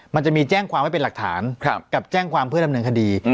มันจะมีแจ้งความไว้เป็นหลักฐานกับแจ้งความเพื่อดำเนินคดี